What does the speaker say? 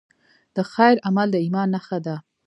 د خیر عمل د ایمان نښه ده.